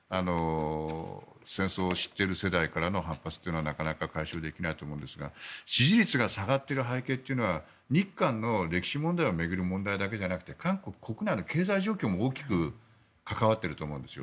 戦争を知っている世代からの反発というのはなかなか解消できないと思うんですが支持率が下がってる背景というのは日韓の歴史問題を巡る問題だけじゃなくて韓国国内の経済状況も大きく関わっていると思うんです。